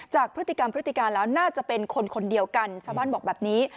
จากพฤติกรรมพฤติการแล้วน่าจะเป็นคนคนเดียวกันชาวบ้านบอกแบบนี้